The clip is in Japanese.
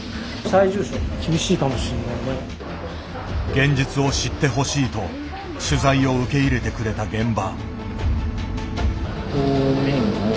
「現実を知ってほしい」と取材を受け入れてくれた現場。